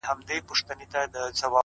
بيا دې د دوو سترگو تلاوت شروع کړ’